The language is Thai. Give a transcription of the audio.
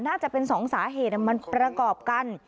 น่าจะเป็นสองสาเหตุมันประกอบกัน